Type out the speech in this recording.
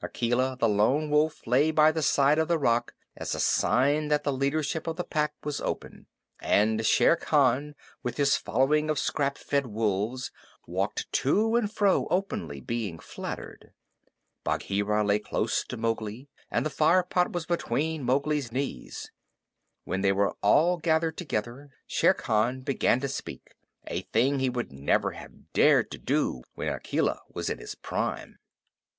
Akela the Lone Wolf lay by the side of his rock as a sign that the leadership of the Pack was open, and Shere Khan with his following of scrap fed wolves walked to and fro openly being flattered. Bagheera lay close to Mowgli, and the fire pot was between Mowgli's knees. When they were all gathered together, Shere Khan began to speak a thing he would never have dared to do when Akela was in his prime.